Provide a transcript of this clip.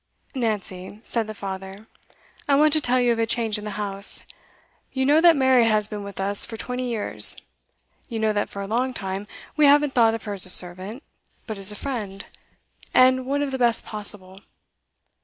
'Nancy,' said the father, 'I want to tell you of a change in the house. You know that Mary has been with us for twenty years. You know that for a long time we haven't thought of her as a servant, but as a friend, and one of the best possible.